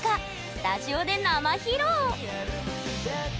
スタジオで生披露！